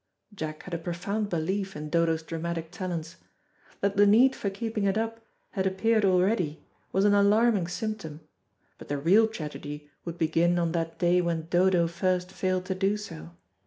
Jack had a profound belief in Dodo's dramatic talents. That the need for keeping it up had appeared already was an alarming symptom, but the real tragedy would begin on that day when Dodo first failed to do so.